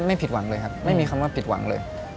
ไม่ผิดหวังเลยครับไม่มีคำว่าผิดหวังเลย